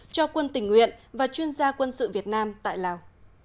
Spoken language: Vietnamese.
cho quân tình nguyện và chuyên gia quân sự việt nam tại lào